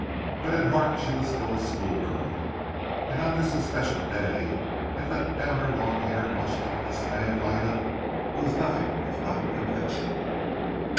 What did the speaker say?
But at heart she was still a schoolgirl, and on this especial day had let down her long hair much to the dismay of Ida who was nothing if not conventional.